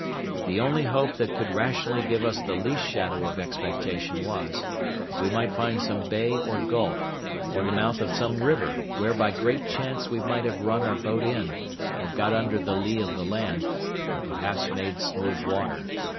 The only hope that could rationally give us the least shadow of expectation was, if we might find some bay or gulf, or the mouth of some river, where by great chance we might have run our boat in, or got under the lee of the land, and perhaps made smooth water.